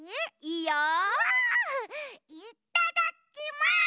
いっただきます！